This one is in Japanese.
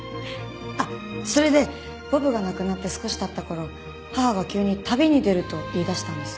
あっそれでボブが亡くなって少し経った頃母が急に「旅に出る」と言い出したんです。